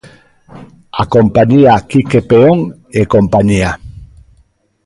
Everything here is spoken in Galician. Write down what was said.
A compañía Quique Peón e Compañía.